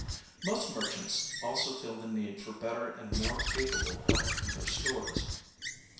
Most merchants also feel the need for better and more capable help in their stores.